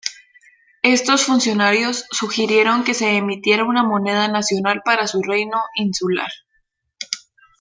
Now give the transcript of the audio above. Estos funcionarios sugirieron que se emitiera una moneda nacional para su reino insular.